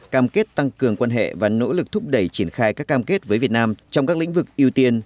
cam kết tăng cường quan hệ và nỗ lực thúc đẩy triển khai các cam kết với việt nam trong các lĩnh vực ưu tiên